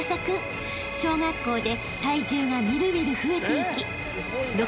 ［小学校で体重が見る見る増えていき６